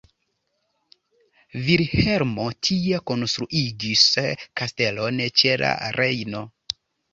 Vilhelmo tie konstruigis kastelon ĉe la Rejno.